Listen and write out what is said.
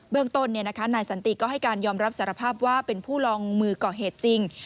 เรื่องต้นนายสันติก็ให้การยอมรับสารภาพว่าเป็นผู้ลองมือก่อเหตุจริง